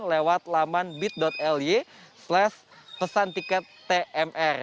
lewat laman bit ly slash pesantiket tmr